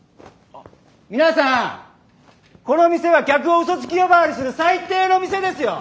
皆さんこの店は客をウソつき呼ばわりする最低の店ですよ！